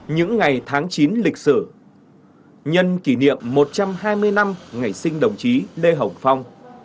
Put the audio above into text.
những ngày tháng chín lịch sử nhân kỷ niệm một trăm hai mươi năm ngày sinh đồng chí lê hồng phong